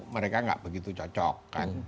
mereka nggak begitu cocok kan